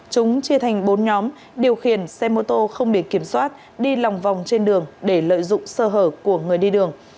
chúng chia thành bốn nhóm điều khiển xe mô tô không biển kiểm soát đi lòng vòng trên đường để lợi dụng sơ hở của người đi đường